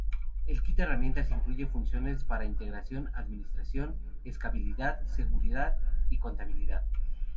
El kit de herramientas incluye funciones para integración, administración, escalabilidad, seguridad y contabilidad.